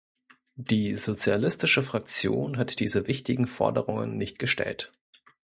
Die Sozialistische Fraktion hat diese wichtigen Forderungen nicht gestellt.